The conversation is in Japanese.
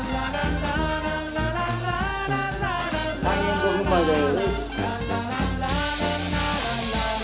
開演５分前です。